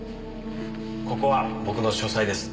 ここは僕の書斎です。